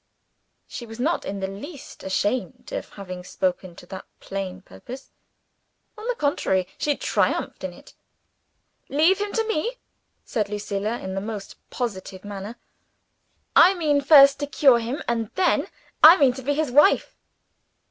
She was not in the least ashamed of having spoken to that plain purpose. On the contrary, she triumphed in it. "Leave him to me," said Lucilla, in the most positive manner. "I mean first to cure him. And then I mean to be his wife."